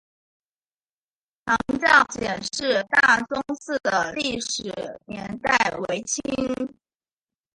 长教简氏大宗祠的历史年代为清。